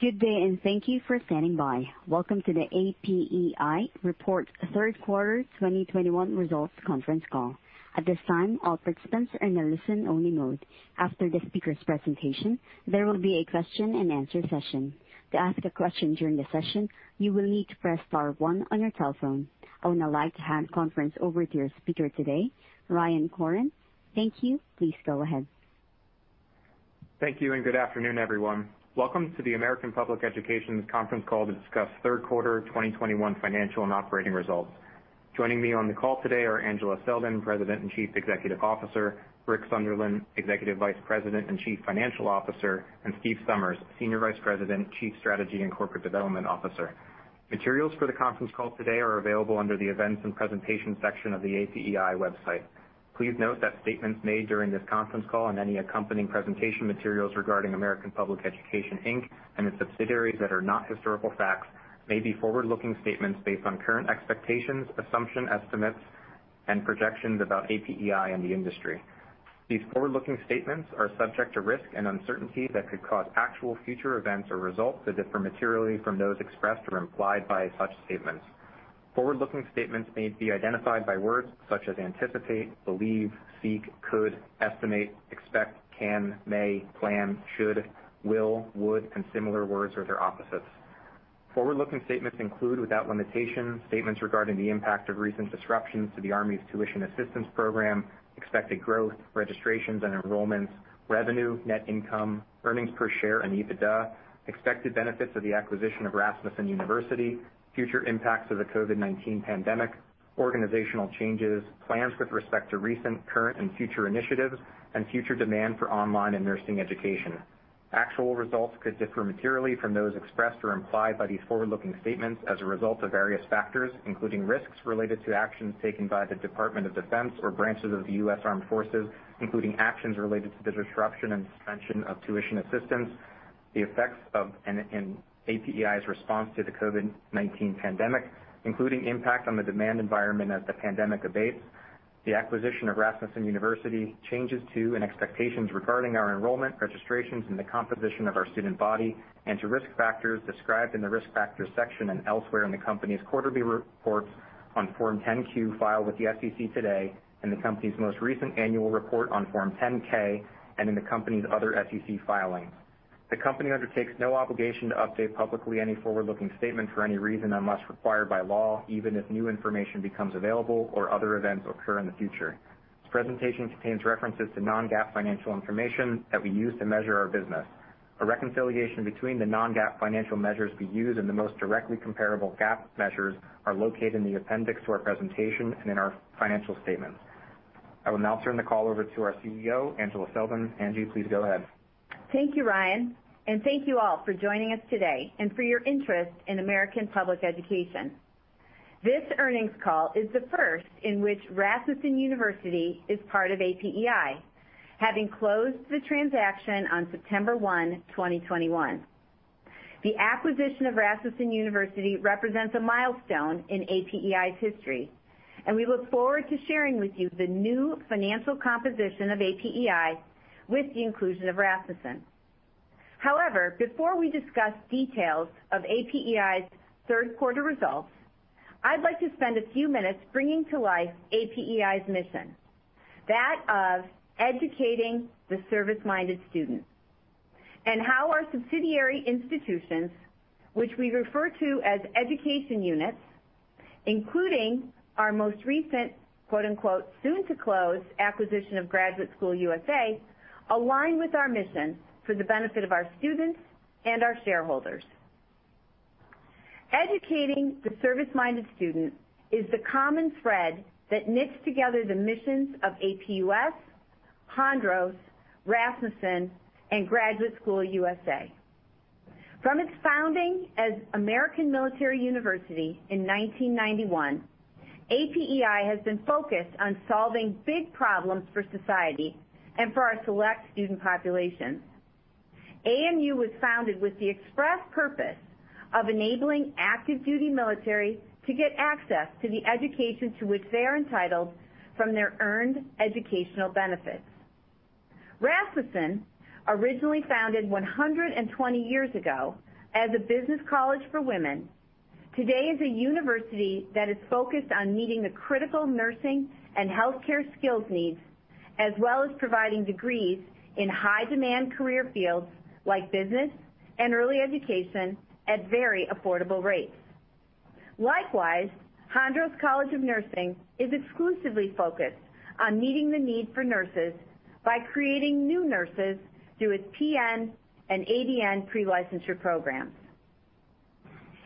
Good day, and thank you for standing by. Welcome to the APEI third quarter 2021 results conference call. At this time, all participants are in a listen-only mode. After the speaker's presentation, there will be a question-and-answer session. To ask a question during the session, you will need to press star one on your telephone. I would now like to hand the conference over to your speaker today, Ryan Koren. Thank you. Please go ahead. Thank you, and good afternoon, everyone. Welcome to the American Public Education conference call to discuss third quarter 2021 financial and operating results. Joining me on the call today are Angela Selden, President and Chief Executive Officer, Rick Sunderland, Executive Vice President and Chief Financial Officer, and Steve Somers, Senior Vice President, Chief Strategy and Corporate Development Officer. Materials for the conference call today are available under the Events and Presentation section of the APEI website. Please note that statements made during this conference call and any accompanying presentation materials regarding American Public Education Inc. and its subsidiaries that are not historical facts may be forward-looking statements based on current expectations, assumptions, estimates, and projections about APEI and the industry. These forward-looking statements are subject to risks and uncertainties that could cause actual future events or results to differ materially from those expressed or implied by such statements. Forward-looking statements may be identified by words such as anticipate, believe, seek, could, estimate, expect, can, may, plan, should, will, would, and similar words or their opposites. Forward-looking statements include, without limitation, statements regarding the impact of recent disruptions to the Army's Tuition Assistance program, expected growth, registrations and enrollments, revenue, net income, Earnings Per Share and EBITDA, expected benefits of the acquisition of Rasmussen University, future impacts of the COVID-19 pandemic, organizational changes, plans with respect to recent, current and future initiatives, and future demand for online and nursing education. Actual results could differ materially from those expressed or implied by these forward-looking statements as a result of various factors, including risks related to actions taken by the Department of Defense or branches of the U.S. Armed Forces, including actions related to the disruption and suspension of Tuition Assistance, the effects of, and APEI's response to the COVID-19 pandemic, including impact on the demand environment as the pandemic abates, the acquisition of Rasmussen University, changes to and expectations regarding our enrollment registrations and the composition of our student body, and the risk factors described in the Risk Factors section and elsewhere in the company's quarterly reports on Form 10-Q filed with the SEC today, in the company's most recent annual report on Form 10-K, and in the company's other SEC filings. The company undertakes no obligation to update publicly any forward-looking statement for any reason unless required by law, even if new information becomes available or other events occur in the future. This presentation contains references to non-GAAP financial information that we use to measure our business. A reconciliation between the non-GAAP financial measures we use and the most directly comparable GAAP measures are located in the appendix to our presentation and in our financial statements. I will now turn the call over to our CEO, Angela Selden. Angie, please go ahead. Thank you, Ryan, and thank you all for joining us today and for your interest in American Public Education. This earnings call is the first in which Rasmussen University is part of APEI, having closed the transaction on September 1, 2021. The acquisition of Rasmussen University represents a milestone in APEI's history, and we look forward to sharing with you the new financial composition of APEI with the inclusion of Rasmussen. However, before we discuss details of APEI's third quarter results, I'd like to spend a few minutes bringing to life APEI's mission, that of educating the service-minded student, and how our subsidiary institutions, which we refer to as education units, including our most recent, quote-unquote "soon to close" acquisition of Graduate School USA, align with our mission for the benefit of our students and our shareholders. Educating the service-minded student is the common thread that knits together the missions of APUS, Hondros, Rasmussen, and Graduate School USA. From its founding as American Military University in 1991, APEI has been focused on solving big problems for society and for our select student populations. AMU was founded with the express purpose of enabling active duty military to get access to the education to which they are entitled from their earned educational benefits. Rasmussen, originally founded 120 years ago as a business college for women, today is a university that is focused on meeting the critical nursing and healthcare skills needs, as well as providing degrees in high demand career fields like business and early education at very affordable rates. Likewise, Hondros College of Nursing is exclusively focused on meeting the need for nurses by creating new nurses through its PN and ADN pre-licensure programs.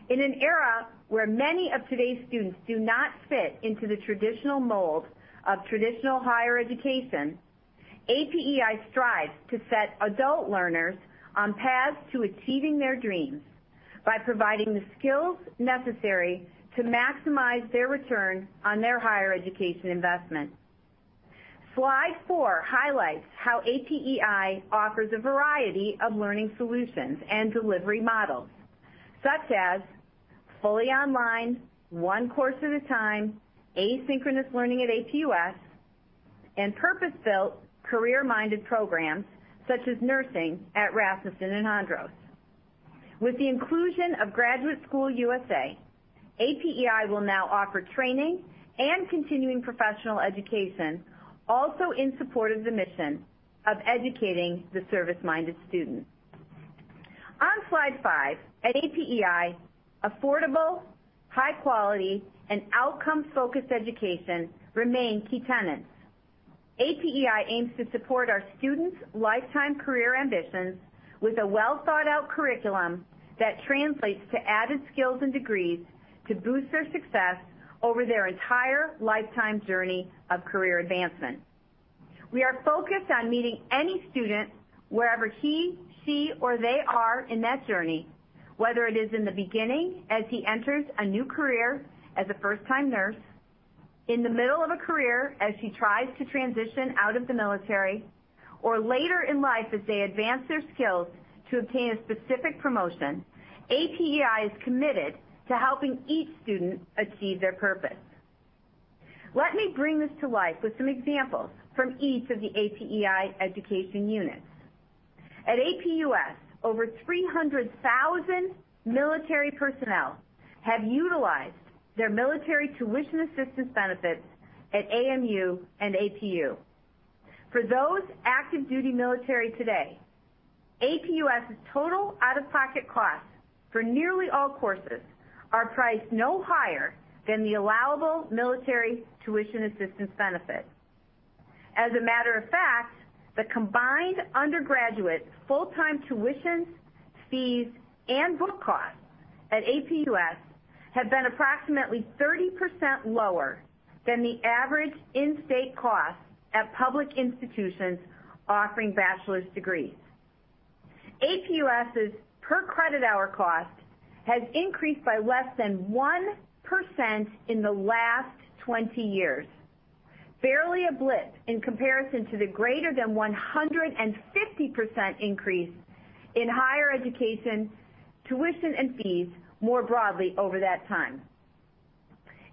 In an era where many of today's students do not fit into the traditional mold of traditional higher education, APEI strives to set adult learners on paths to achieving their dreams by providing the skills necessary to maximize their return on their higher education investment. Slide four highlights how APEI offers a variety of learning solutions and delivery models, such as fully online, one course at a time, asynchronous learning at APUS, and purpose-built career-minded programs such as nursing at Rasmussen and Hondros. With the inclusion of Graduate School USA, APEI will now offer training and continuing professional education, also in support of the mission of educating the service-minded students. On slide five, at APEI, affordable, high quality, and outcome-focused education remain key tenets. APEI aims to support our students' lifetime career ambitions with a well-thought-out curriculum that translates to added skills and degrees to boost their success over their entire lifetime journey of career advancement. We are focused on meeting any student wherever he, she, or they are in that journey, whether it is in the beginning as he enters a new career as a first-time nurse, in the middle of a career as she tries to transition out of the military, or later in life as they advance their skills to obtain a specific promotion. APEI is committed to helping each student achieve their purpose. Let me bring this to life with some examples from each of the APEI education units. At APUS, over 300,000 military personnel have utilized their military tuition assistance benefits at AMU and APU. For those active duty military today, APUS' total out-of-pocket costs for nearly all courses are priced no higher than the allowable military tuition assistance benefit. As a matter of fact, the combined undergraduate full-time tuition, fees, and book costs at APUS have been approximately 30% lower than the average in-state cost at public institutions offering bachelor's degrees. APUS' per credit hour cost has increased by less than 1% in the last 20 years. Barely a blip in comparison to the greater than 150% increase in higher education tuition and fees more broadly over that time.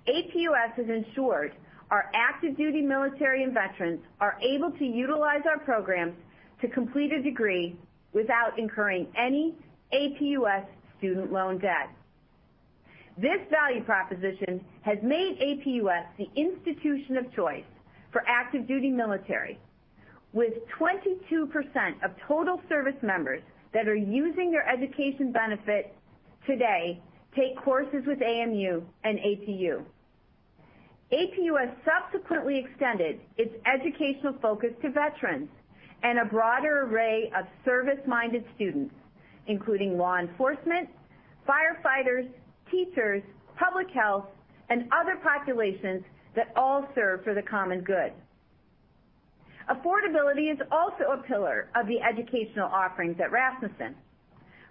APUS has ensured our active duty military and veterans are able to utilize our programs to complete a degree without incurring any APUS student loan debt. This value proposition has made APUS the institution of choice for active duty military, with 22% of total service members that are using their education benefit today take courses with AMU and APU. APUS subsequently extended its educational focus to veterans and a broader array of service-minded students, including law enforcement, firefighters, teachers, public health, and other populations that all serve for the common good. Affordability is also a pillar of the educational offerings at Rasmussen.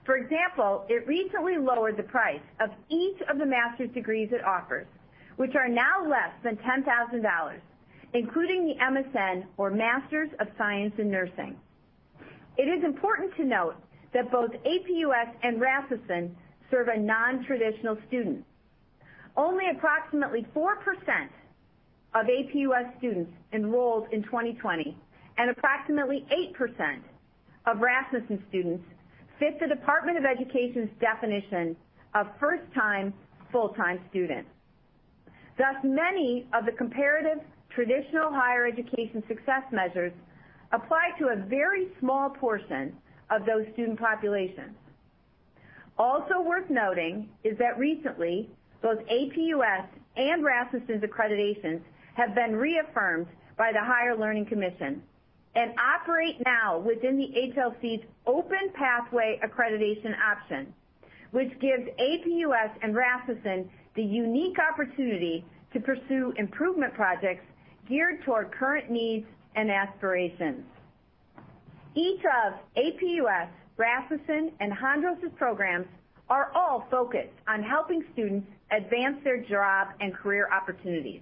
For example, it recently lowered the price of each of the master's degrees it offers, which are now less than $10,000, including the MSN or Master's of Science in Nursing. It is important to note that both APUS and Rasmussen serve a non-traditional student. Only approximately 4% of APUS students enrolled in 2020 and approximately 8% of Rasmussen students fit the Department of Education's definition of first-time, full-time students. Thus, many of the comparative traditional higher education success measures apply to a very small portion of those student populations. Also worth noting is that recently, both APUS and Rasmussen's accreditations have been reaffirmed by the Higher Learning Commission and operate now within the HLC's Open Pathway Accreditation option, which gives APUS and Rasmussen the unique opportunity to pursue improvement projects geared toward current needs and aspirations. Each of APUS, Rasmussen, and Hondros' programs are all focused on helping students advance their job and career opportunities.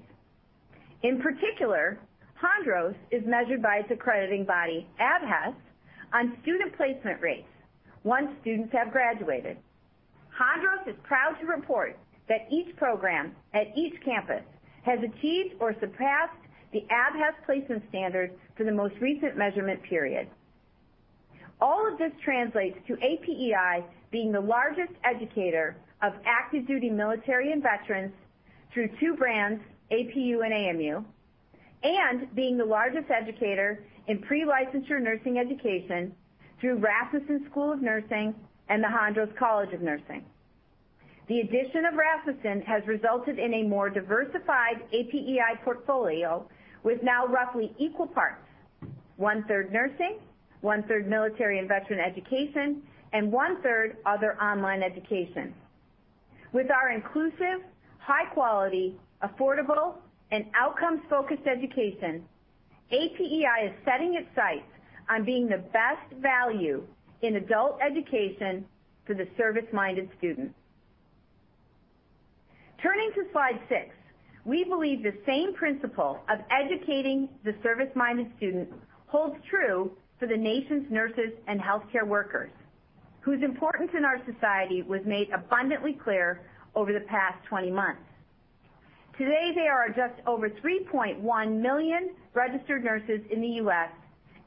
In particular, Hondros is measured by its accrediting body, ABHES, on student placement rates once students have graduated. Hondros is proud to report that each program at each campus has achieved or surpassed the ABHES placement standards for the most recent measurement period. All of this translates to APEI being the largest educator of active duty military and veterans through two brands, APU and AMU, and being the largest educator in pre-licensure nursing education through Rasmussen School of Nursing and the Hondros College of Nursing. The addition of Rasmussen has resulted in a more diversified APEI portfolio with now roughly equal parts, one-third nursing, one-third military and veteran education, and one-third other online education. With our inclusive, high quality, affordable, and outcome-focused education, APEI is setting its sights on being the best value in adult education for the service-minded student. Turning to slide six, we believe the same principle of educating the service-minded student holds true for the nation's nurses and healthcare workers, whose importance in our society was made abundantly clear over the past 20 months. Today, there are just over 3.1 million registered nurses in the U.S.,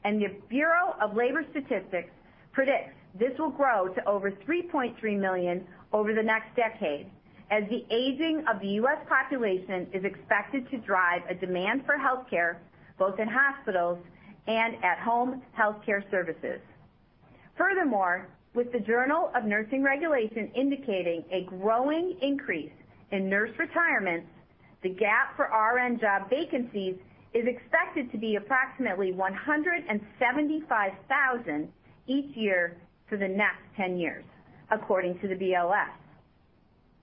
and the Bureau of Labor Statistics predicts this will grow to over 3.3 million over the next decade, as the aging of the U.S. population is expected to drive a demand for health care, both in hospitals and at-home health care services. Furthermore, with the Journal of Nursing Regulation indicating a growing increase in nurse retirements, the gap for RN job vacancies is expected to be approximately 175,000 each year for the next 10 years, according to the BLS.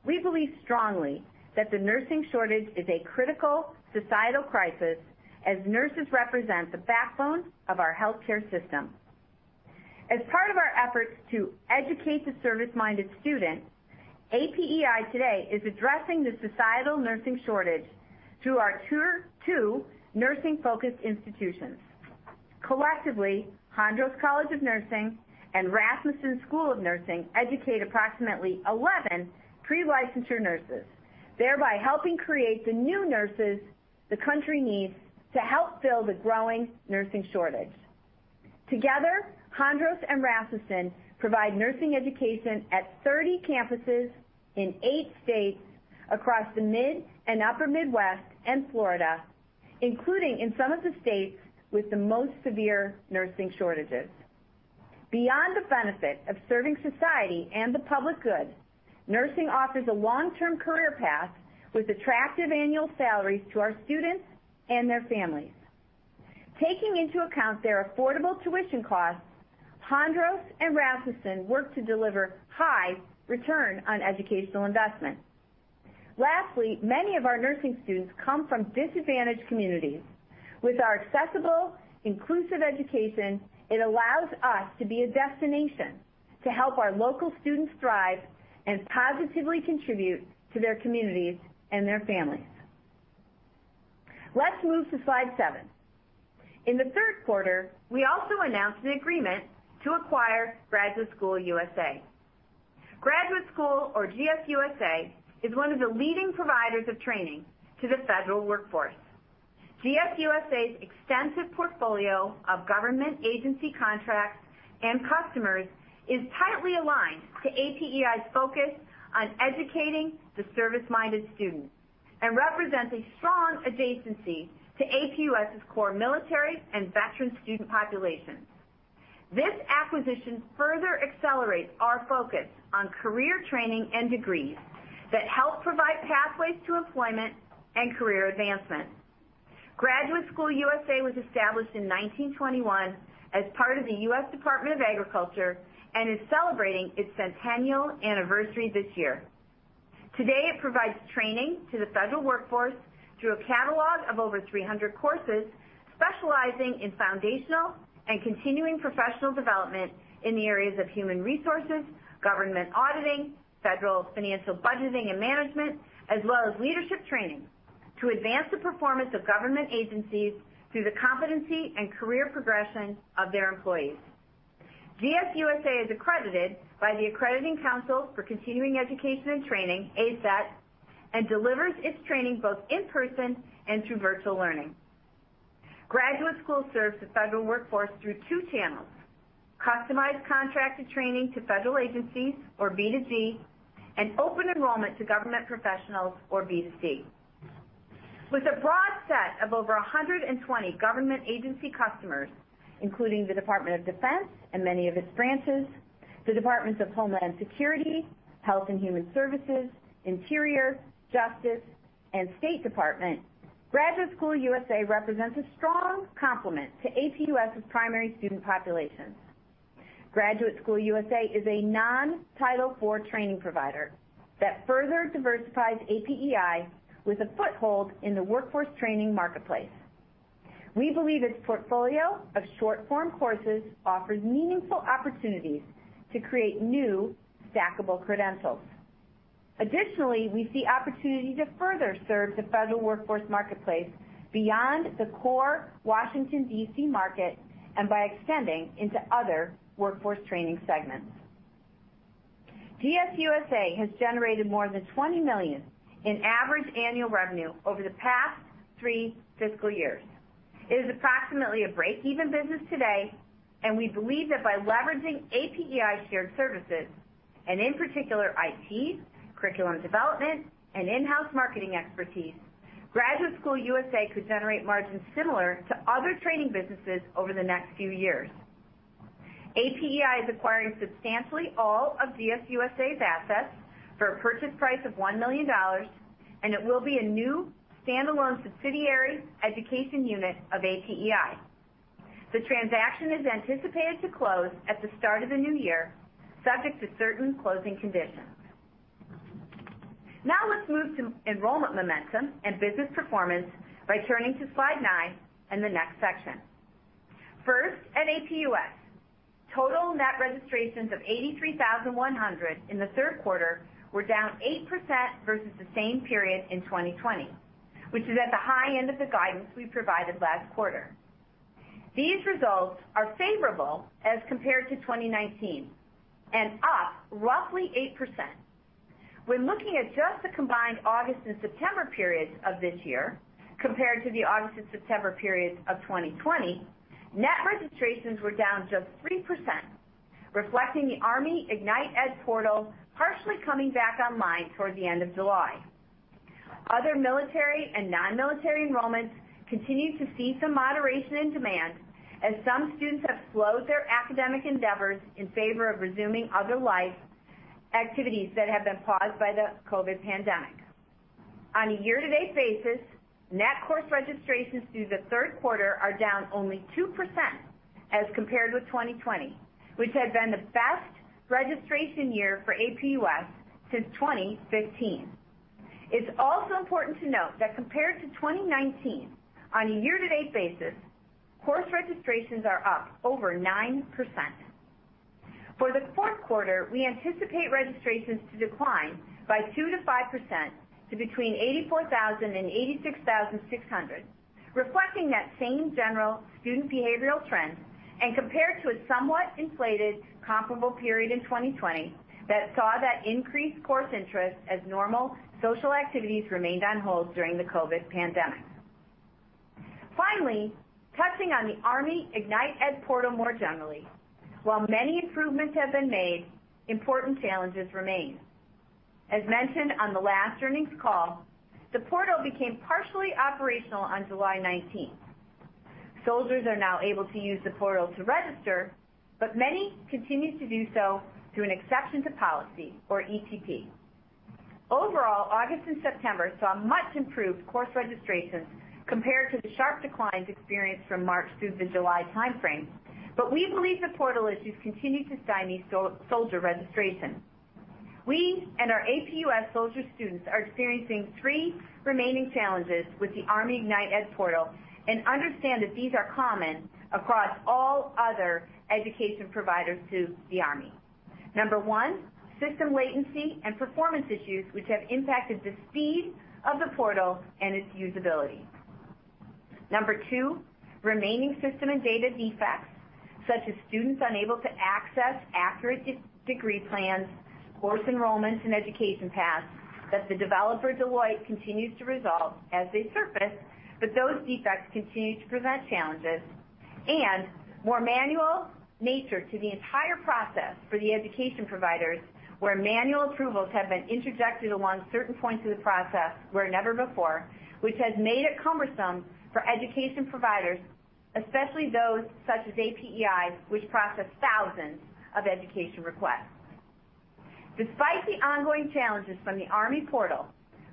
We believe strongly that the nursing shortage is a critical societal crisis as nurses represent the backbone of our healthcare system. As part of our efforts to educate the service-minded student, APEI today is addressing the societal nursing shortage through our two nursing-focused institutions. Collectively, Hondros College of Nursing and Rasmussen University School of Nursing educate approximately 11 pre-licensure nurses, thereby helping create the new nurses the country needs to help fill the growing nursing shortage. Together, Hondros and Rasmussen provide nursing education at 30 campuses in eight states across the mid and upper Midwest and Florida, including in some of the states with the most severe nursing shortages. Beyond the benefit of serving society and the public good, nursing offers a long-term career path with attractive annual salaries to our students and their families. Taking into account their affordable tuition costs, Hondros and Rasmussen work to deliver high return on educational investment. Lastly, many of our nursing students come from disadvantaged communities. With our accessible, inclusive education, it allows us to be a destination to help our local students thrive and positively contribute to their communities and their families. Let's move to slide seven. In the third quarter, we also announced an agreement to acquire Graduate School USA. Graduate School or GSUSA is one of the leading providers of training to the federal workforce. GSUSA's extensive portfolio of government agency contracts and customers is tightly aligned to APEI's focus on educating the service-minded students and represents a strong adjacency to APUS' core military and veteran student populations. This acquisition further accelerates our focus on career training and degrees that help provide pathways to employment and career advancement. Graduate School USA was established in 1921 as part of the U.S. Department of Agriculture and is celebrating its centennial anniversary this year. Today, it provides training to the federal workforce through a catalog of over 300 courses, specializing in foundational and continuing professional development in the areas of human resources, government auditing, federal financial budgeting and management, as well as leadership training to advance the performance of government agencies through the competency and career progression of their employees. GSUSA is accredited by the Accrediting Council for Continuing Education and Training, ACCET, and delivers its training both in person and through virtual learning. Graduate School serves the federal workforce through two channels, customized contracted training to federal agencies, or B2G, and open enrollment to government professionals, or B2C. With a broad set of over 120 government agency customers, including the Department of Defense and many of its branches, the Departments of Homeland Security, Health and Human Services, Interior, Justice, and State Department, Graduate School USA represents a strong complement to APUS' primary student populations. Graduate School USA is a non-Title IV training provider that further diversifies APEI with a foothold in the workforce training marketplace. We believe its portfolio of short-form courses offers meaningful opportunities to create new stackable credentials. Additionally, we see opportunities to further serve the federal workforce marketplace beyond the core Washington, D.C. market and by extending into other workforce training segments. GSUSA has generated more than $20 million in average annual revenue over the past three fiscal years. It is approximately a break-even business today, and we believe that by leveraging APEI shared services, and in particular, IT, curriculum development, and in-house marketing expertise, Graduate School USA could generate margins similar to other training businesses over the next few years. APEI is acquiring substantially all of GSUSA's assets for a purchase price of $1 million, and it will be a new stand-alone subsidiary education unit of APEI. The transaction is anticipated to close at the start of the new year, subject to certain closing conditions. Now let's move to enrollment momentum and business performance by turning to slide 9 and the next section. First, at APUS, total net registrations of 83,100 in the third quarter were down 8% versus the same period in 2020, which is at the high end of the guidance we provided last quarter. These results are favorable as compared to 2019 and up roughly 8%. When looking at just the combined August and September periods of this year compared to the August and September periods of 2020, net registrations were down just 3%, reflecting the ArmyIgnitED portal partially coming back online toward the end of July. Other military and non-military enrollments continued to see some moderation in demand as some students have slowed their academic endeavors in favor of resuming other life activities that have been paused by the COVID pandemic. On a year-to-date basis, net course registrations through the third quarter are down only 2% as compared with 2020, which had been the best registration year for APUS since 2015. It's also important to note that compared to 2019 on a year-to-date basis, course registrations are up over 9%. For the fourth quarter, we anticipate registrations to decline by 2%-5% to between 84,000 and 86,600, reflecting that same general student behavioral trends and compared to a somewhat inflated comparable period in 2020 that saw that increased course interest as normal social activities remained on hold during the COVID-19 pandemic. Finally, touching on the ArmyIgnitED portal more generally. While many improvements have been made, important challenges remain. As mentioned on the last earnings call, the portal became partially operational on July 19. Soldiers are now able to use the portal to register, but many continue to do so through an exception to policy or ETP. Overall, August and September saw much improved course registrations compared to the sharp declines experienced from March through the July timeframe. We believe the portal issues continue to stymie soldier registration. We and our APUS soldier students are experiencing three remaining challenges with the ArmyIgnitED portal and understand that these are common across all other education providers to the Army. Number one, system latency and performance issues which have impacted the speed of the portal and its usability. Number two, remaining system and data defects, such as students unable to access accurate degree plans, course enrollments, and education paths that the developer, Deloitte, continues to resolve as they surface, but those defects continue to present challenges. More manual nature to the entire process for the education providers where manual approvals have been interjected along certain points of the process where never before, which has made it cumbersome for education providers, especially those such as APEI, which process thousands of education requests. Despite the ongoing challenges from the Army portal,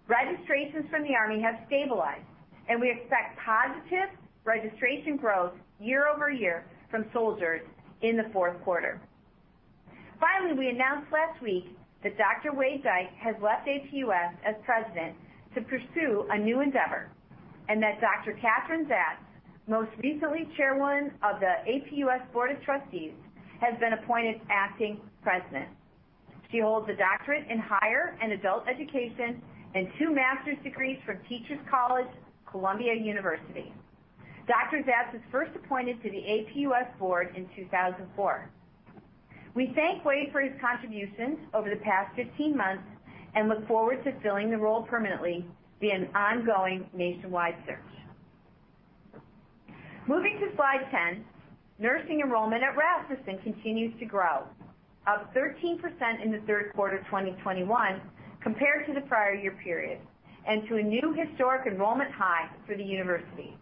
registrations from the Army have stabilized, and we expect positive registration growth year-over-year from soldiers in the fourth quarter. Finally, we announced last week that Dr. Wade Dyke has left APUS as president to pursue a new endeavor, and that Dr. Katherine Zatz, most recently Chairwoman of the APUS Board of Trustees, has been appointed Acting President. She holds a doctorate in higher and adult education and two master's degrees from Teachers College, Columbia University. Dr. Zatz was first appointed to the APUS board in 2004. We thank Wade for his contributions over the past 15 months and look forward to filling the role permanently via an ongoing nationwide search. Moving to slide 10, nursing enrollment at Rasmussen continues to grow, up 13% in the third quarter 2021 compared to the prior year period and to a new historic enrollment high for the university.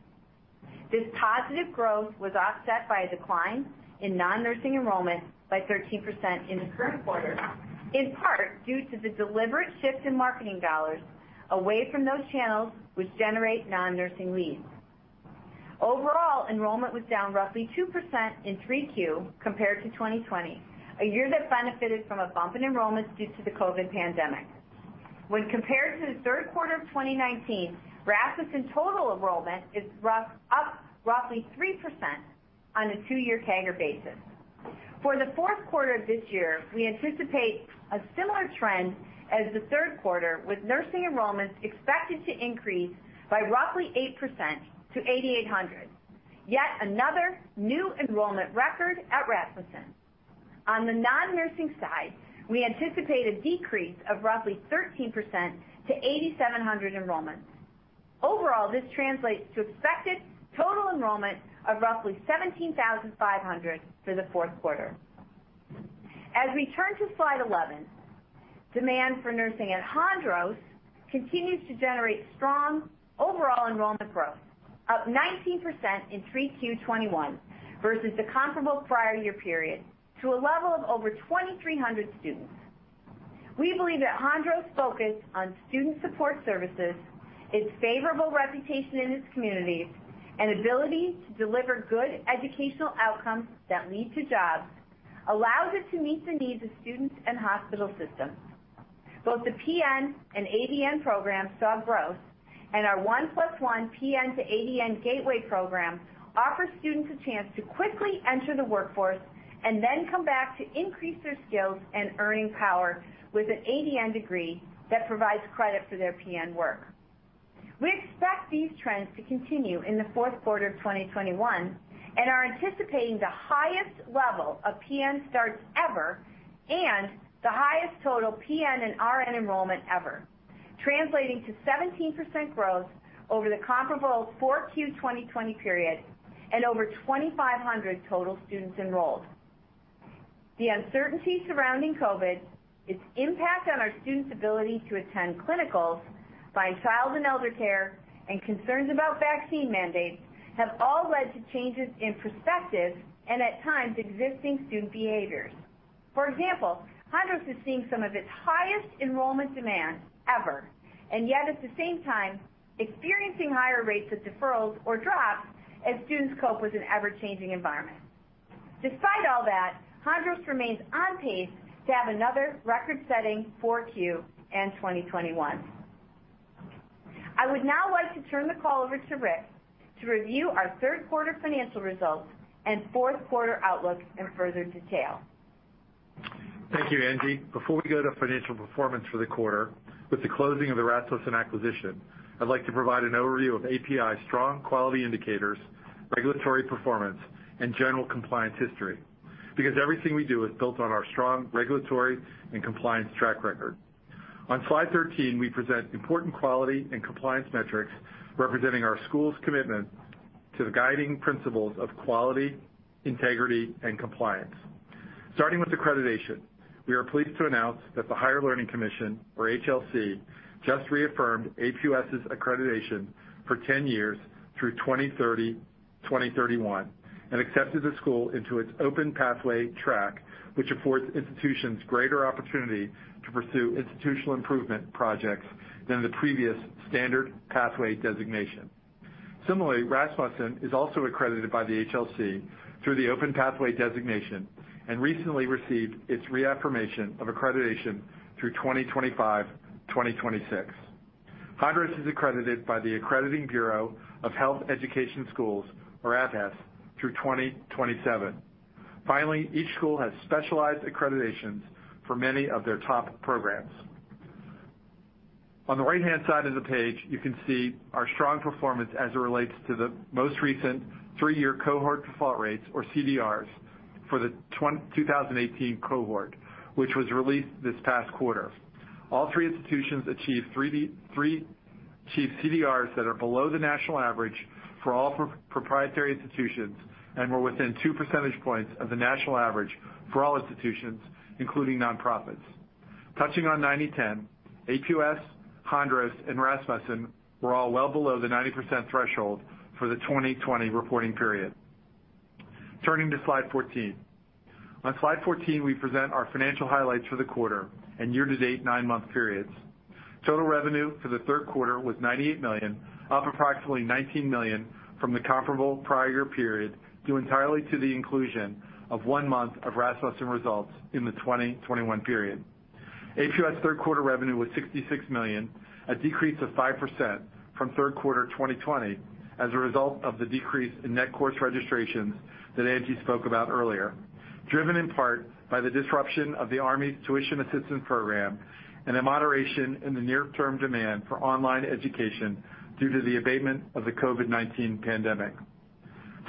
This positive growth was offset by a decline in non-nursing enrollment by 13% in the current quarter, in part due to the deliberate shift in marketing dollars away from those channels which generate non-nursing leads. Overall, enrollment was down roughly 2% in 3Q compared to 2020, a year that benefited from a bump in enrollments due to the COVID pandemic. When compared to the third quarter of 2019, Rasmussen total enrollment is up roughly 3% on a two-year CAGR basis. For the fourth quarter of this year, we anticipate a similar trend as the third quarter, with nursing enrollments expected to increase by roughly 8% to 8,800. Yet another new enrollment record at Rasmussen. On the non-nursing side, we anticipate a decrease of roughly 13% to 8,700 enrollments. Overall, this translates to expected total enrollment of roughly 17,500 for the fourth quarter. As we turn to slide 11, demand for nursing at Hondros continues to generate strong overall enrollment growth, up 19% in 3Q 2021 versus the comparable prior year period to a level of over 2,300 students. We believe that Hondros' focus on student support services, its favorable reputation in its communities, and ability to deliver good educational outcomes that lead to jobs allows it to meet the needs of students and hospital systems. Both the PN and ADN programs saw growth, and our 1+1 PN to ADN Gateway program offers students a chance to quickly enter the workforce and then come back to increase their skills and earning power with an ADN degree that provides credit for their PN work. We expect these trends to continue in the fourth quarter of 2021 and are anticipating the highest level of PN starts ever and the highest total PN and RN enrollment ever, translating to 17% growth over the comparable Q4 2020 period and over 2,500 total students enrolled. The uncertainty surrounding COVID, its impact on our students' ability to attend clinicals by child and elder care, and concerns about vaccine mandates have all led to changes in perspective and at times, existing student behaviors. For example, Hondros is seeing some of its highest enrollment demand ever, and yet at the same time, experiencing higher rates of deferrals or drops as students cope with an ever-changing environment. Despite all that, Hondros remains on pace to have another record-setting 4Q 2021. I would now like to turn the call over to Rick to review our third quarter financial results and fourth-quarter outlook in further detail. Thank you, Angie. Before we go to financial performance for the quarter, with the closing of the Rasmussen acquisition, I'd like to provide an overview of APEI's strong quality indicators, regulatory performance, and general compliance history. Everything we do is built on our strong regulatory and compliance track record. On slide 13, we present important quality and compliance metrics representing our school's commitment to the guiding principles of quality, integrity, and compliance. Starting with accreditation, we are pleased to announce that the Higher Learning Commission, or HLC, just reaffirmed APUS's accreditation for 10 years through 2031, and accepted the school into its Open Pathway track, which affords institutions greater opportunity to pursue institutional improvement projects than the previous standard pathway designation. Similarly, Rasmussen is also accredited by the HLC through the Open Pathway designation and recently received its reaffirmation of accreditation through 2026. Hondros is accredited by the Accrediting Bureau of Health Education Schools, or ABHES, through 2027. Each school has specialized accreditations for many of their top programs. On the right-hand side of the page, you can see our strong performance as it relates to the most recent three-year cohort default rates, or CDRs, for the 2018 cohort, which was released this past quarter. All three institutions achieved CDRs that are below the national average for all proprietary institutions and were within two percentage points of the national average for all institutions, including nonprofits. Touching on 90/10, APUS, Hondros, and Rasmussen were all well below the 90% threshold for the 2020 reporting period. Turning to slide 14. On slide 14, we present our financial highlights for the quarter and year-to-date 9-month periods. Total revenue for the third quarter was $98 million, up approximately $19 million from the comparable prior period, due entirely to the inclusion of one month of Rasmussen results in the 2021 period. APUS third quarter revenue was $66 million, a decrease of 5% from third quarter 2020 as a result of the decrease in net course registrations that Angie spoke about earlier, driven in part by the disruption of the Army's Tuition Assistance Program and a moderation in the near-term demand for online education due to the abatement of the COVID-19 pandemic.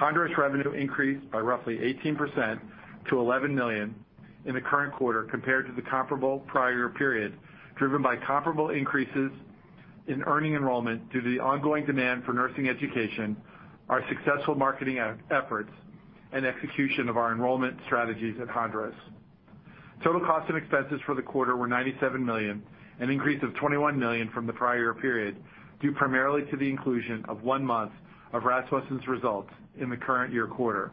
Hondros revenue increased by roughly 18% to $11 million in the current quarter compared to the comparable prior period, driven by comparable increases in enrollment due to the ongoing demand for nursing education, our successful marketing efforts, and execution of our enrollment strategies at Hondros. Total costs and expenses for the quarter were $97 million, an increase of $21 million from the prior period, due primarily to the inclusion of one month of Rasmussen's results in the current year quarter.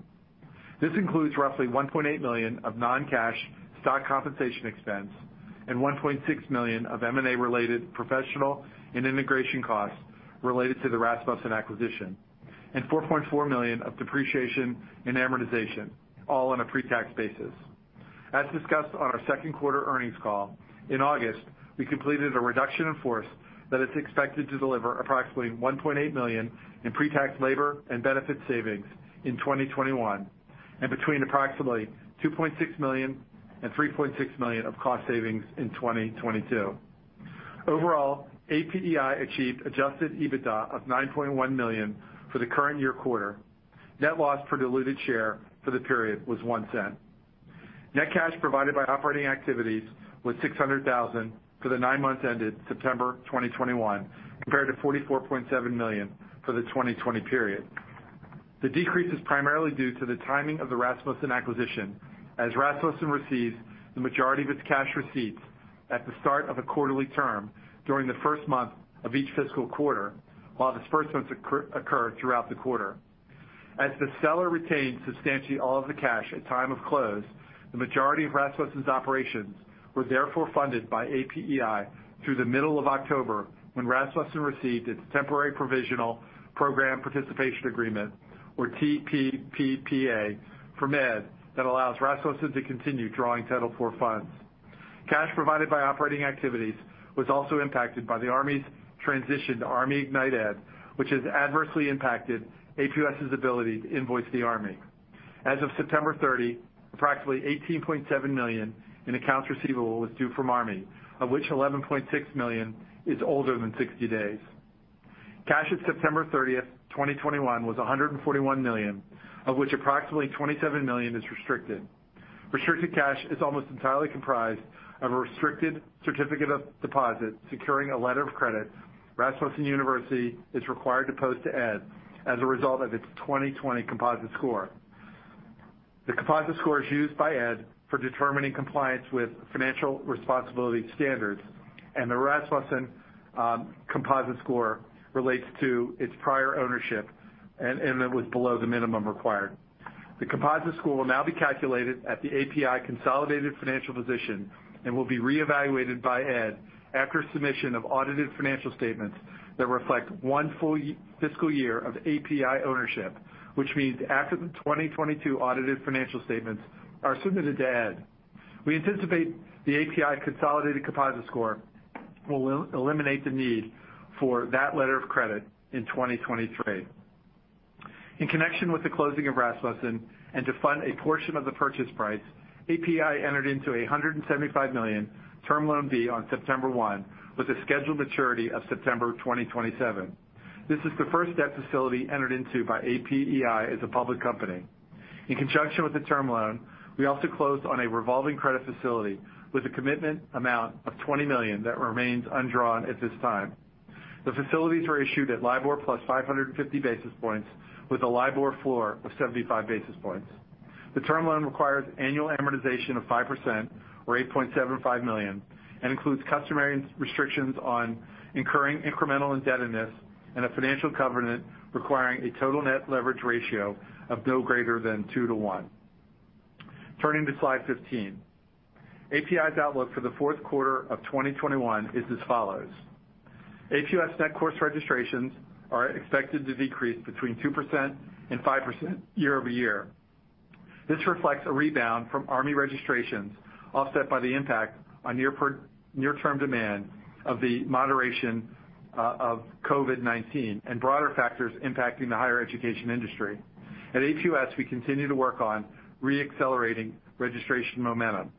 This includes roughly $1.8 million of non-cash stock compensation expense and $1.6 million of M&A-related professional and integration costs related to the Rasmussen acquisition, and $4.4 million of depreciation and amortization, all on a pre-tax basis. As discussed on our second quarter earnings call, in August, we completed a reduction in force that is expected to deliver approximately $1.8 million in pre-tax labor and benefit savings in 2021 and between approximately $2.6 million and $3.6 million of cost savings in 2022. Overall, APEI achieved Adjusted EBITDA of $9.1 million for the current year quarter. Net loss per diluted share for the period was $0.01. Net cash provided by operating activities was $600,000 for the nine months ended September 2021, compared to $44.7 million for the 2020 period. The decrease is primarily due to the timing of the Rasmussen acquisition, as Rasmussen receives the majority of its cash receipts at the start of a quarterly term during the first month of each fiscal quarter, while disbursements occur throughout the quarter. The seller retains substantially all of the cash at time of close, so the majority of Rasmussen's operations were therefore funded by APEI through the middle of October, when Rasmussen received its Temporary Provisional Program Participation Agreement, or TPPPA, from ED that allows Rasmussen to continue drawing Title IV funds. Cash provided by operating activities was also impacted by the Army's transition to ArmyIgnitED, which has adversely impacted APUS's ability to invoice the Army. As of September 30, approximately $18.7 million in accounts receivable was due from Army, of which $11.6 million is older than 60 days. Cash at September 30, 2021 was $141 million, of which approximately $27 million is restricted. Restricted cash is almost entirely comprised of a restricted certificate of deposit securing a letter of credit Rasmussen University is required to post to ED as a result of its 2020 composite score. The composite score is used by ED for determining compliance with financial responsibility standards, and the Rasmussen composite score relates to its prior ownership, and it was below the minimum required. The composite score will now be calculated at the APEI consolidated financial position and will be reevaluated by ED after submission of audited financial statements that reflect one full fiscal year of APEI ownership, which means after the 2022 audited financial statements are submitted to ED. We anticipate the APEI consolidated composite score will eliminate the need for that letter of credit in 2023. In connection with the closing of Rasmussen and to fund a portion of the purchase price, APEI entered into a $175 million term loan B on September 1 with a scheduled maturity of September 2027. This is the first debt facility entered into by APEI as a public company. In conjunction with the term loan, we also closed on a revolving credit facility with a commitment amount of $20 million that remains undrawn at this time. The facilities were issued at LIBOR plus 550 basis points with a LIBOR floor of 75 basis points. The term loan requires annual amortization of 5% or $8.75 million and includes customary restrictions on incurring incremental indebtedness and a financial covenant requiring a total net leverage ratio of no greater than two to one. Turning to slide 15. APEI's outlook for the fourth quarter of 2021 is as follows: APUS net course registrations are expected to decrease between 2% and 5% year-over-year. This reflects a rebound from Army registrations offset by the impact on near-term demand of the moderation of COVID-19 and broader factors impacting the higher education industry. At APUS, we continue to work on re-accelerating registration momentum.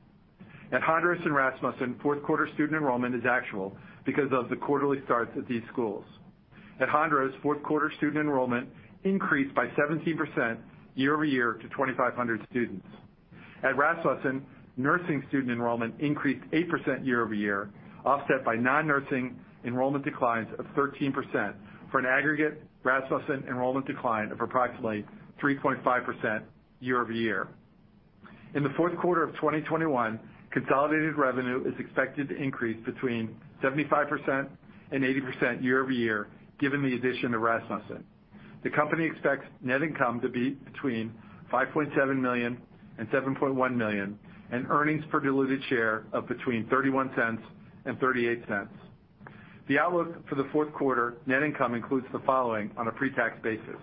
At Hondros and Rasmussen, fourth quarter student enrollment is actual because of the quarterly starts at these schools. At Hondros, fourth quarter student enrollment increased by 17% year-over-year to 2,500 students. At Rasmussen, nursing student enrollment increased 8% year-over-year, offset by non-nursing enrollment declines of 13% for an aggregate Rasmussen enrollment decline of approximately 3.5% year-over-year. In the fourth quarter of 2021, consolidated revenue is expected to increase between 75% and 80% year-over-year, given the addition of Rasmussen. The company expects net income to be between $5.7 million and $7.1 million, and earnings per diluted share of between $0.31 and $0.38. The outlook for the fourth quarter net income includes the following on a pre-tax basis.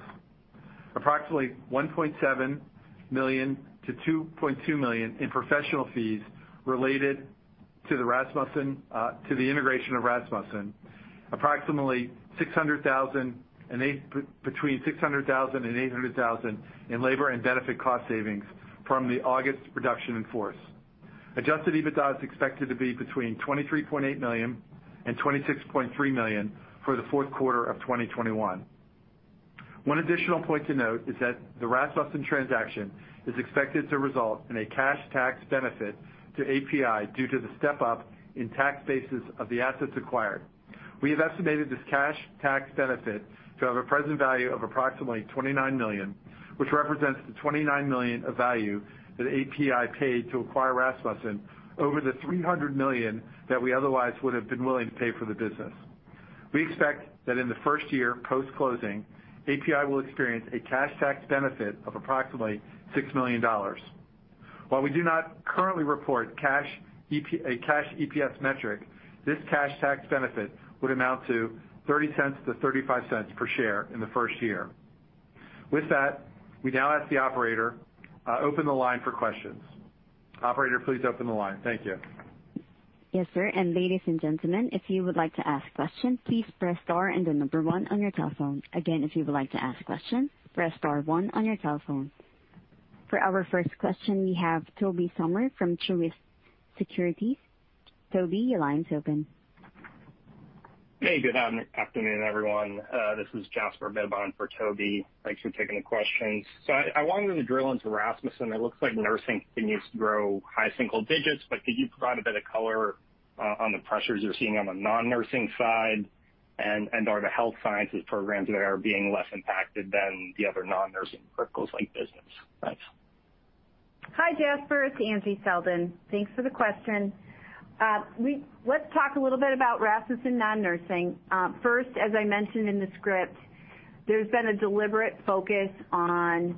Approximately $1.7 million-$2.2 million in professional fees related to the Rasmussen to the integration of Rasmussen. Approximately $600,000-$800,000 in labor and benefit cost savings from the August reduction in force. Adjusted EBITDA is expected to be between $23.8 million and $26.3 million for the fourth quarter of 2021. One additional point to note is that the Rasmussen transaction is expected to result in a cash tax benefit to APEI due to the step up in tax basis of the assets acquired. We have estimated this cash tax benefit to have a present value of approximately $29 million, which represents the $29 million of value that APEI paid to acquire Rasmussen over the $300 million that we otherwise would have been willing to pay for the business. We expect that in the first year post-closing, APEI will experience a cash tax benefit of approximately $6 million. While we do not currently report a cash EPS metric, this cash tax benefit would amount to $0.30-$0.35 per share in the first year. With that, we now ask the operator to open the line for questions. Operator, please open the line. Thank you. Yes, sir. Ladies and gentlemen, if you would like to ask questions, please press star and the number one on your telephone. Again, if you would like to ask a question, press star one on your telephone. For our first question, we have Tobey Sommer from Truist Securities. Tobey, your line is open. Hey, good afternoon, everyone. This is Jasper Bibb for Tobey. Thanks for taking the questions. I wanted to drill into Rasmussen. It looks like nursing continues to grow high single digits, but could you provide a bit of color on the pressures you're seeing on the non-nursing side, and are the health sciences programs there being less impacted than the other non-nursing verticals like business? Thanks. Hi, Jasper Bibb, it's Angie Selden. Thanks for the question. Let's talk a little bit about Rasmussen non-nursing. First, as I mentioned in the script, there's been a deliberate focus on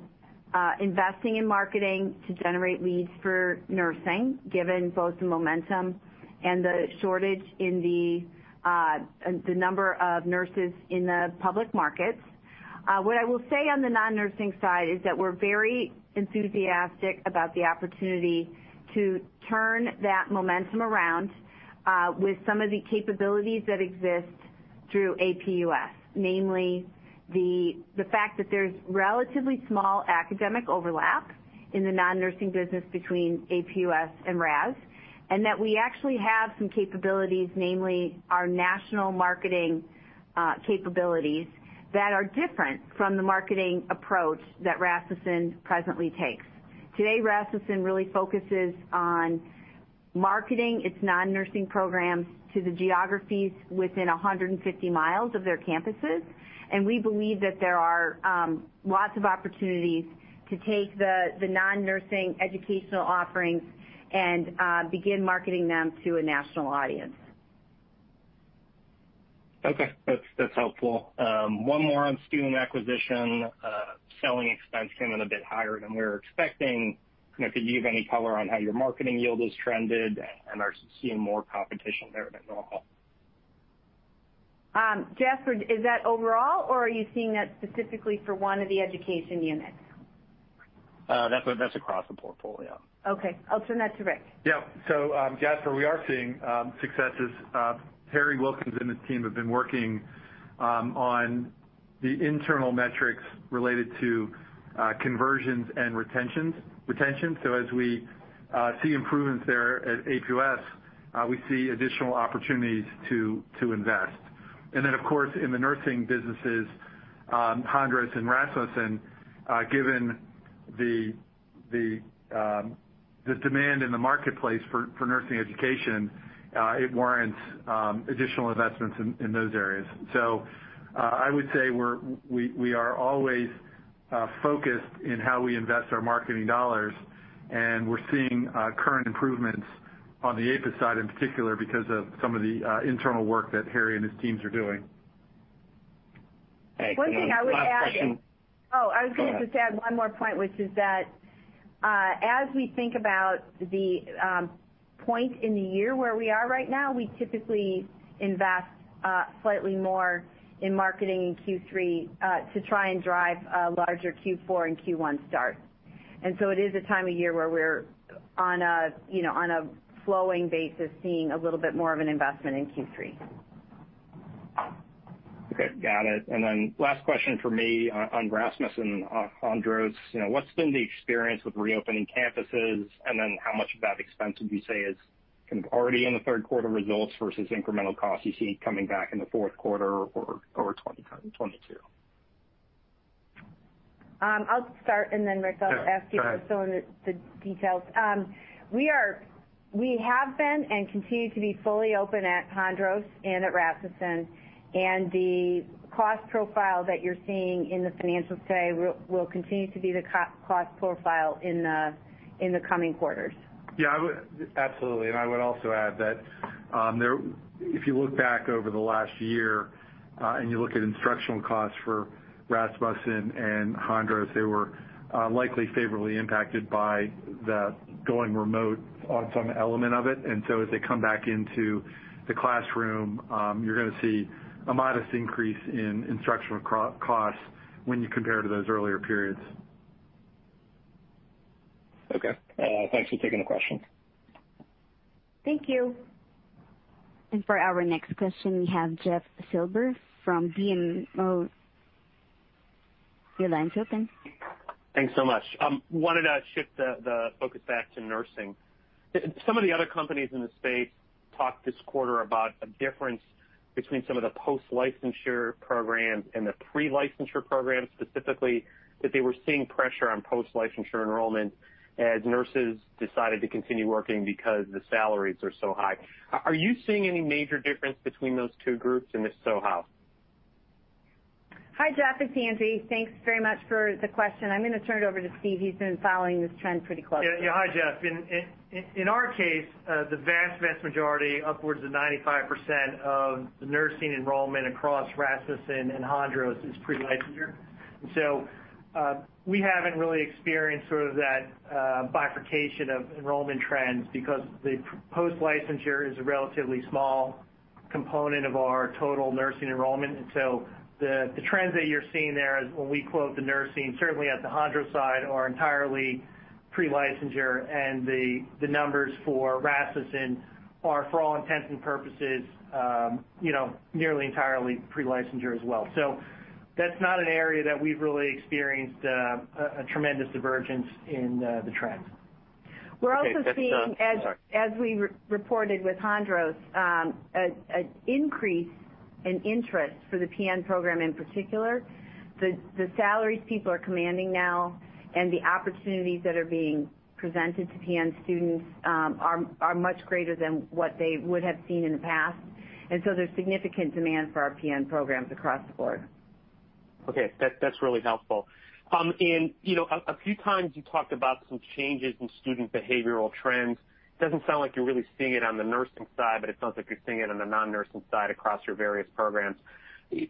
investing in marketing to generate leads for nursing, given both the momentum and the shortage in the number of nurses in the public markets. What I will say on the non-nursing side is that we're very enthusiastic about the opportunity to turn that momentum around with some of the capabilities that exist. Through APUS, namely the fact that there's relatively small academic overlap in the non-nursing business between APUS and Rasmussen, and that we actually have some capabilities, namely our national marketing capabilities that are different from the marketing approach that Rasmussen presently takes. Today, Rasmussen really focuses on marketing its non-nursing programs to the geographies within 150 mi of their campuses. We believe that there are lots of opportunities to take the non-nursing educational offerings and begin marketing them to a national audience. Okay. That's helpful. One more on student acquisition. Selling expense came in a bit higher than we were expecting. You know, could you give any color on how your marketing yield has trended and you're seeing more competition there than normal? Jasper, is that overall, or are you seeing that specifically for one of the education units? That's across the portfolio. Okay. I'll turn that to Rick. Yeah. Jasper, we are seeing successes. Harry Wilkins and his team have been working on the internal metrics related to conversions and retention. As we see improvements there at APUS, we see additional opportunities to invest. Of course, in the nursing businesses, Hondros and Rasmussen, given the demand in the marketplace for nursing education, it warrants additional investments in those areas. I would say we are always focused on how we invest our marketing dollars, and we're seeing current improvements on the APUS side in particular because of some of the internal work that Harry and his teams are doing. Okay. Last question. One thing I would add. I was gonna just add one more point, which is that, as we think about the point in the year where we are right now, we typically invest slightly more in marketing in Q3 to try and drive a larger Q4 and Q1 start. It is a time of year where we're on a, you know, on a flowing basis, seeing a little bit more of an investment in Q3. Okay. Got it. Last question from me on Rasmussen, on Hondros. You know, what's been the experience with reopening campuses, and then how much of that expense would you say is kind of already in the third quarter results versus incremental costs you see coming back in the fourth quarter or 2020-2022? I'll start, and then Rick, I'll ask you for some of the details. We have been and continue to be fully open at Hondros and at Rasmussen, and the cost profile that you're seeing in the financials today will continue to be the cost profile in the coming quarters. Yeah, absolutely. I would also add that if you look back over the last year and you look at instructional costs for Rasmussen and Hondros, they were likely favorably impacted by the going remote on some element of it. As they come back into the classroom, you're gonna see a modest increase in instructional costs when you compare to those earlier periods. Okay. Thanks for taking the question. Thank you. For our next question, we have Jeff Silber from BMO. Your line's open. Thanks so much. I wanted to shift the focus back to nursing. Some of the other companies in the space talked this quarter about a difference between some of the post-licensure programs and the pre-licensure programs, specifically that they were seeing pressure on post-licensure enrollment as nurses decided to continue working because the salaries are so high. Are you seeing any major difference between those two groups, and if so, how? Hi, Jeff. It's Angie. Thanks very much for the question. I'm gonna turn it over to Steve. He's been following this trend pretty closely. Hi, Jeff. In our case, the vast majority, upwards of 95% of the nursing enrollment across Rasmussen and Hondros is pre-licensure. We haven't really experienced sort of that bifurcation of enrollment trends because the post-licensure is a relatively small component of our total nursing enrollment. The trends that you're seeing there is when we quote the nursing, certainly at the Hondros side, are entirely pre-licensure, and the numbers for Rasmussen are, for all intents and purposes, you know, nearly entirely pre-licensure as well. That's not an area that we've really experienced a tremendous divergence in the trends. Okay. We're also seeing, as we re-reported with Hondros, an increase in interest for the PN program in particular. The salaries people are commanding now and the opportunities that are being presented to PN students are much greater than what they would have seen in the past. There's significant demand for our PN programs across the board. Okay. That's really helpful. You know, a few times you talked about some changes in student behavioral trends. Doesn't sound like you're really seeing it on the nursing side, but it sounds like you're seeing it on the non-nursing side across your various programs.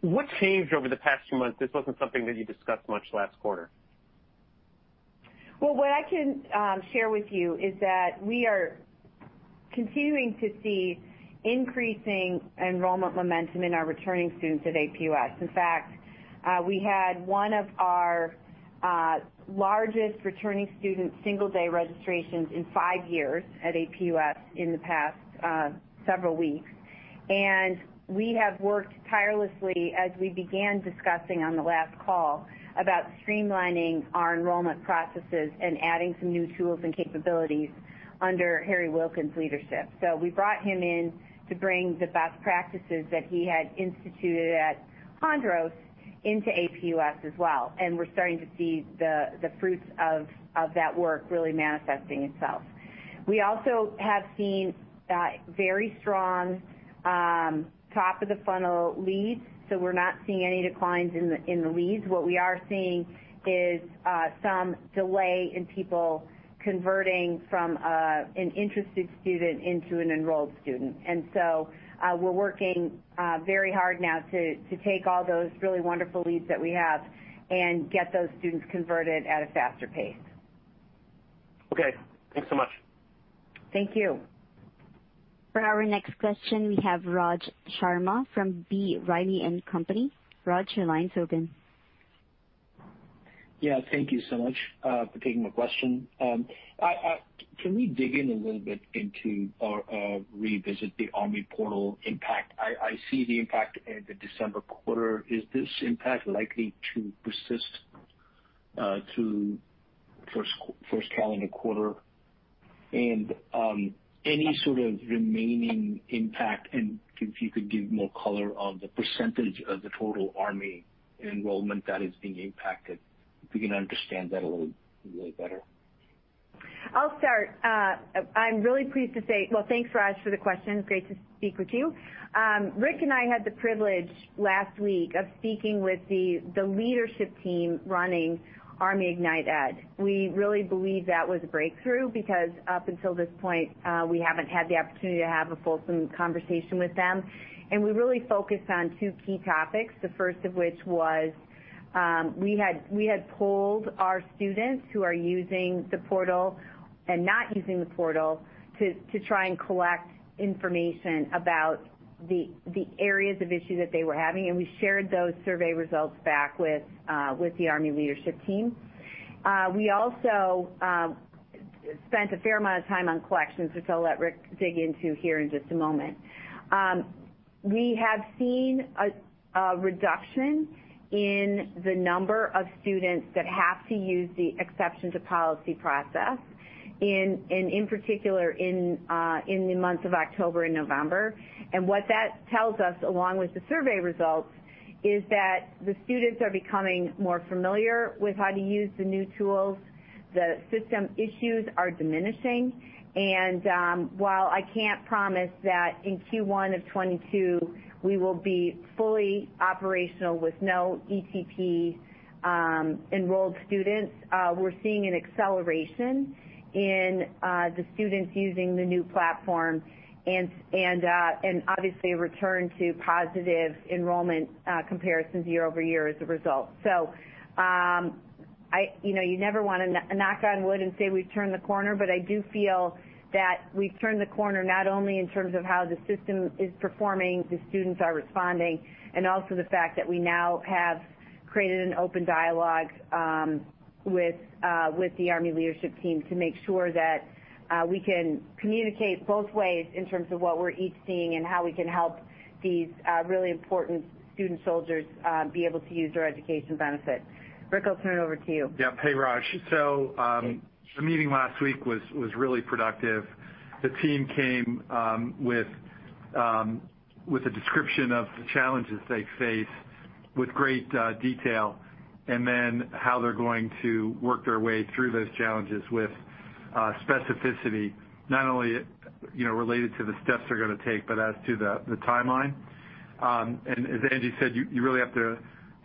What changed over the past few months? This wasn't something that you discussed much last quarter. Well, what I can share with you is that we are continuing to see increasing enrollment momentum in our returning students at APUS. In fact, we had one of our largest returning student single day registrations in five years at APUS in the past several weeks. We have worked tirelessly as we began discussing on the last call about streamlining our enrollment processes and adding some new tools and capabilities under Harry Wilkins' leadership. We brought him in to bring the best practices that he had instituted at Hondros into APUS as well. We're starting to see the fruits of that work really manifesting itself. We also have seen very strong top of the funnel leads, so we're not seeing any declines in the leads. What we are seeing is some delay in people converting from an interested student into an enrolled student. We're working very hard now to take all those really wonderful leads that we have and get those students converted at a faster pace. Okay. Thanks so much. Thank you. For our next question, we have Raj Sharma from B. Riley Securities. Raj, your line's open. Yeah, thank you so much for taking my question. Can we dig in a little bit into or revisit the Army portal impact? I see the impact in the December quarter. Is this impact likely to persist to first calendar quarter? Any sort of remaining impact, and if you could give more color on the percentage of the total Army enrollment that is being impacted, if we can understand that a little way better. I'll start. I'm really pleased to say. Well, thanks, Raj, for the question. Great to speak with you. Rick and I had the privilege last week of speaking with the leadership team running ArmyIgnitED. We really believe that was a breakthrough because up until this point, we haven't had the opportunity to have a fulsome conversation with them. We really focused on two key topics, the first of which was, we had polled our students who are using the portal and not using the portal to try and collect information about the areas of issue that they were having, and we shared those survey results back with the Army leadership team. We also spent a fair amount of time on collections, which I'll let Rick dig into here in just a moment. We have seen a reduction in the number of students that have to use the exception to policy process in particular in the months of October and November. What that tells us, along with the survey results, is that the students are becoming more familiar with how to use the new tools. The system issues are diminishing. While I can't promise that in Q1 of 2022, we will be fully operational with no ETP enrolled students, we're seeing an acceleration in the students using the new platform and obviously a return to positive enrollment comparisons year-over-year as a result. You know, you never wanna knock on wood and say we've turned the corner, but I do feel that we've turned the corner not only in terms of how the system is performing, the students are responding, and also the fact that we now have created an open dialogue with the Army leadership team to make sure that we can communicate both ways in terms of what we're each seeing and how we can help these really important student soldiers be able to use their education benefit. Rick, I'll turn it over to you. Yeah. Hey, Raj. The meeting last week was really productive. The team came with a description of the challenges they face with great detail, and then how they're going to work their way through those challenges with specificity, not only, you know, related to the steps they're gonna take, but as to the timeline. As Angie said, you really have to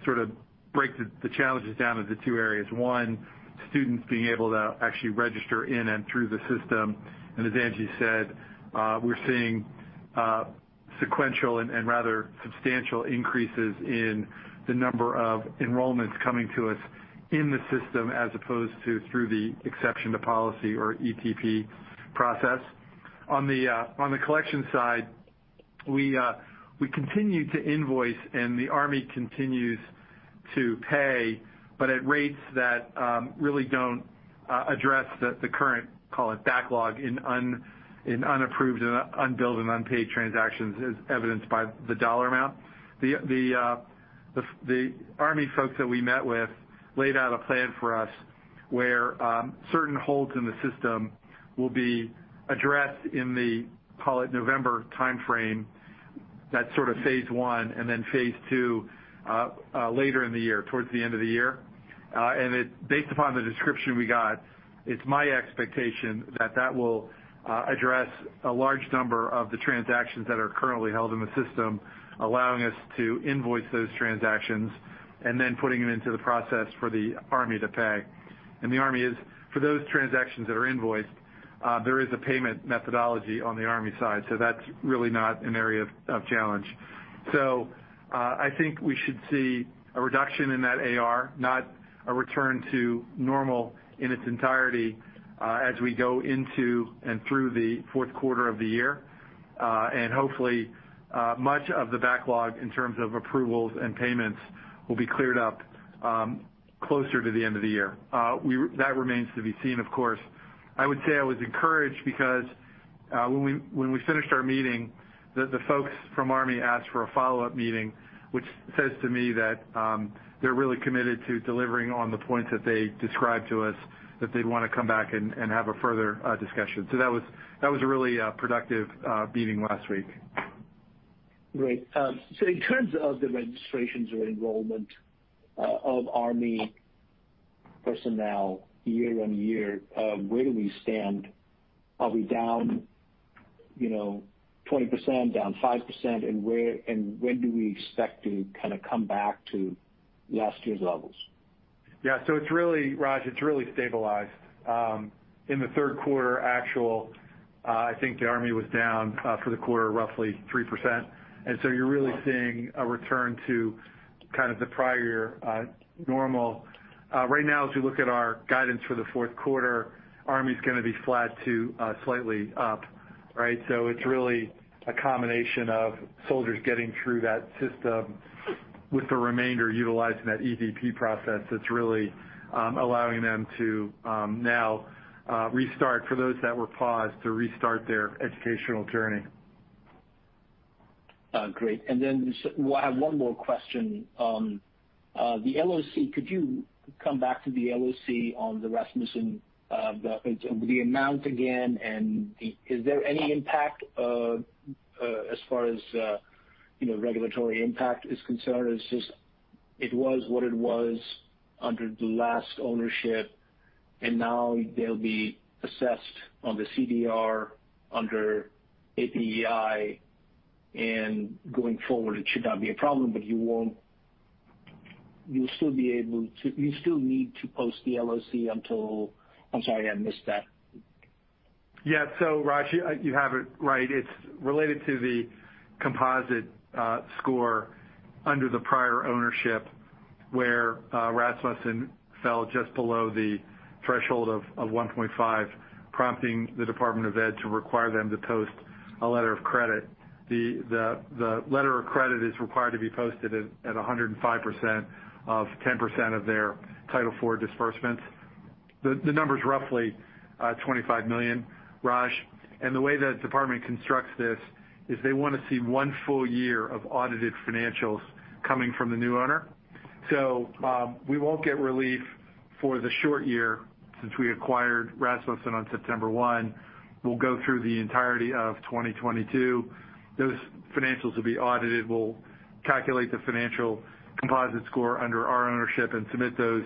sort of break the challenges down into two areas. One, students being able to actually register in and through the system. As Angie said, we're seeing sequential and rather substantial increases in the number of enrollments coming to us in the system as opposed to through the exception to policy or ETP process. On the collection side, we continue to invoice and the Army continues to pay, but at rates that really don't address the current, call it, backlog in unapproved and unbilled and unpaid transactions as evidenced by the dollar amount. The Army folks that we met with laid out a plan for us where certain holds in the system will be addressed in the, call it, November timeframe. That's sort of phase one, and then phase two later in the year, towards the end of the year. Based upon the description we got, it's my expectation that will address a large number of the transactions that are currently held in the system, allowing us to invoice those transactions and then putting them into the process for the Army to pay. The Army is, for those transactions that are invoiced, there is a payment methodology on the Army side, so that's really not an area of challenge. I think we should see a reduction in that AR, not a return to normal in its entirety, as we go into and through the fourth quarter of the year. Hopefully, much of the backlog in terms of approvals and payments will be cleared up closer to the end of the year. That remains to be seen, of course. I would say I was encouraged because when we finished our meeting, the folks from Army asked for a follow-up meeting, which says to me that they're really committed to delivering on the points that they described to us, that they'd wanna come back and have a further discussion. That was a really productive meeting last week. Great. In terms of the registrations or enrollment of Army personnel year-over-year, where do we stand? Are we down, you know, 20%, down 5%? When do we expect to kinda come back to last year's levels? Yeah. So it's really, Raj, it's really stabilized. In the third quarter actually, I think the Army was down for the quarter roughly 3%. You're really seeing a return to kind of the prior normal. Right now, as we look at our guidance for the fourth quarter, Army's gonna be flat to slightly up, right? It's really a combination of soldiers getting through that system with the remainder utilizing that ETP process that's really allowing them to now restart for those that were paused to restart their educational journey. Great. I have one more question. The LOC, could you come back to the LOC on the Rasmussen, the amount again, and is there any impact as far as you know regulatory impact is concerned? It's just, it was what it was under the last ownership, and now they'll be assessed on the CDR under APEI, and going forward, it should not be a problem, but you still need to post the LOC until. I'm sorry, I missed that. Yeah. Raj, you have it right. It's related to the composite score under the prior ownership, where Rasmussen fell just below the threshold of 1.5%, prompting the Department of Education to require them to post a letter of credit. The letter of credit is required to be posted at 105% of 10% of their Title IV disbursements. The number's roughly $25 million, Raj. The way the department constructs this is they wanna see one full year of audited financials coming from the new owner. We won't get relief for the short year since we acquired Rasmussen on September 1. We'll go through the entirety of 2022. Those financials will be audited. We'll calculate the financial composite score under our ownership and submit those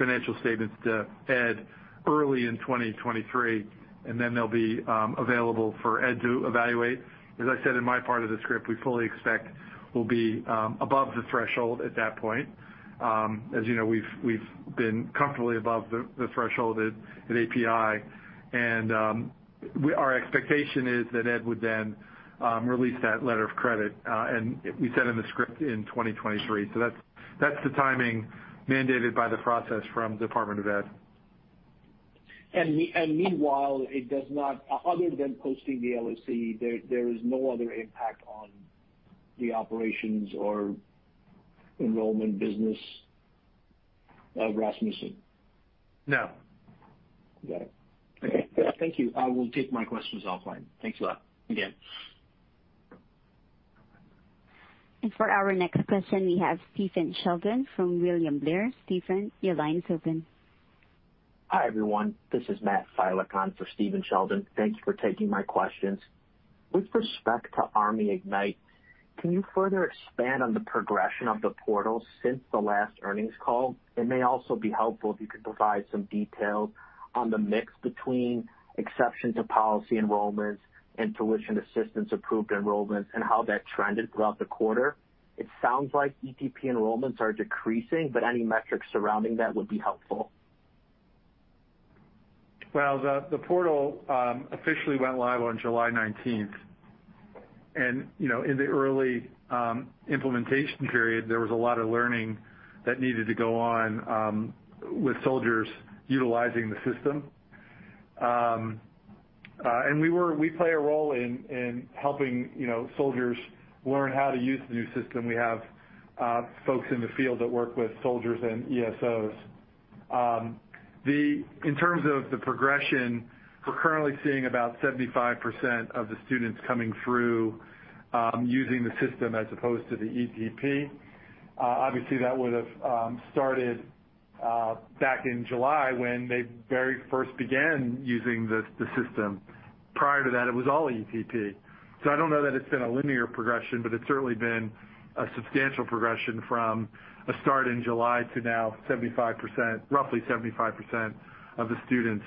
financial statements to Ed early in 2023, and then they'll be available for Ed to evaluate. As I said in my part of the script, we fully expect we'll be above the threshold at that point. As you know, we've been comfortably above the threshold at APEI. Our expectation is that Ed would then release that letter of credit, and we said in the script in 2023. That's the timing mandated by the process from Department of Ed. Meanwhile, it does not. Other than posting the LOC, there is no other impact on the operations or enrollment business of Rasmussen? No. Got it. Okay. Thank you. I will take my questions offline. Thanks a lot again. For our next question, we have Stephen Sheldon from William Blair. Stephen, your line's open. Hi, everyone. This is Matt Filek for Stephen Sheldon. Thank you for taking my questions. With respect to ArmyIgnitED, can you further expand on the progression of the portal since the last earnings call? It may also be helpful if you could provide some details on the mix between Exception to Policy enrollments and Tuition Assistance approved enrollments and how that trended throughout the quarter. It sounds like ETP enrollments are decreasing, but any metrics surrounding that would be helpful. Well, the portal officially went live on July 19. You know, in the early implementation period, there was a lot of learning that needed to go on with soldiers utilizing the system. We play a role in helping, you know, soldiers learn how to use the new system. We have folks in the field that work with soldiers and ESOs. In terms of the progression, we're currently seeing about 75% of the students coming through using the system as opposed to the ETP. Obviously, that would've started back in July when they very first began using the system. Prior to that, it was all ETP. I don't know that it's been a linear progression, but it's certainly been a substantial progression from a start in July to now 75%, roughly 75% of the students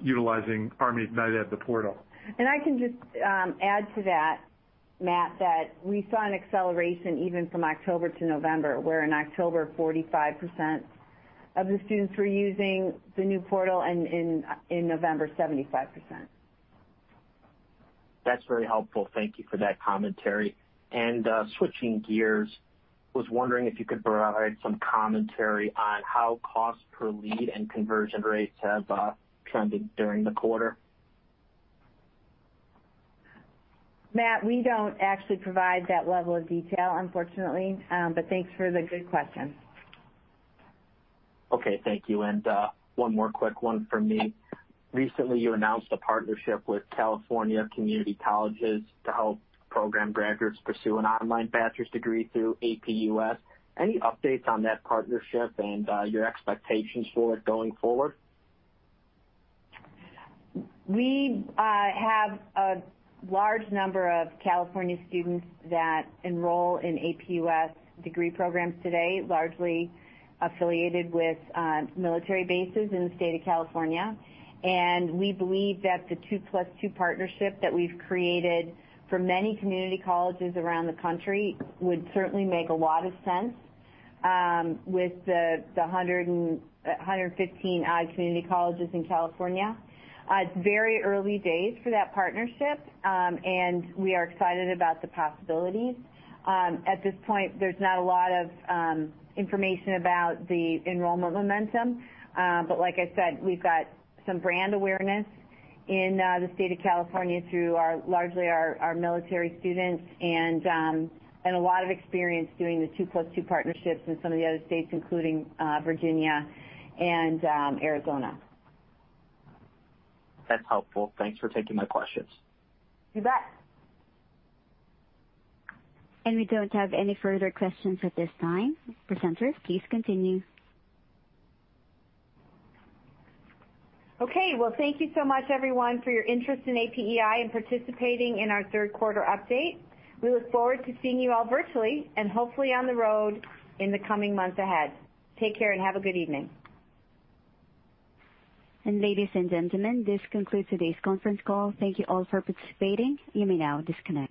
utilizing ArmyIgnitED as the portal. I can just add to that, Matt, that we saw an acceleration even from October to November, where in October, 45% of the students were using the new portal, and in November, 75%. That's very helpful. Thank you for that commentary. Switching gears, was wondering if you could provide some commentary on how cost per lead and conversion rates have trended during the quarter? Matt, we don't actually provide that level of detail, unfortunately, but thanks for the good question. Okay. Thank you. One more quick one from me. Recently, you announced a partnership with California Community Colleges to help program graduates pursue an online bachelor's degree through APUS. Any updates on that partnership and your expectations for it going forward? We have a large number of California students that enroll in APUS degree programs today, largely affiliated with military bases in the state of California. We believe that the two plus two partnership that we've created for many community colleges around the country would certainly make a lot of sense with the 115 odd community colleges in California. It's very early days for that partnership, and we are excited about the possibilities. At this point, there's not a lot of information about the enrollment momentum, but like I said, we've got some brand awareness in the state of California through largely our military students and a lot of experience doing the two plus two partnerships in some of the other states, including Virginia and Arizona. That's helpful. Thanks for taking my questions. You bet. We don't have any further questions at this time. Presenters, please continue. Okay. Well, thank you so much everyone for your interest in APEI and participating in our third quarter update. We look forward to seeing you all virtually and hopefully on the road in the coming months ahead. Take care and have a good evening. Ladies and gentlemen, this concludes today's conference call. Thank you all for participating. You may now disconnect.